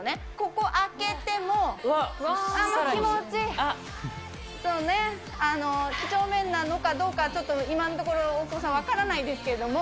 ここ開けても、気持ちいい、几帳面なのかどうか今のところ大久保さん、分からないですけども。